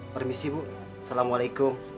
permisi bu assalamualaikum